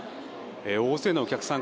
大勢のお客さん